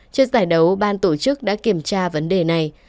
trước giải đấu ban tổ chức đã kiểm tra vấn đề này